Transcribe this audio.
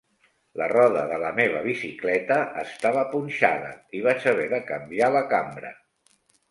La roda de la meva bicicleta estava punxada i vaig haver de canviar la cambra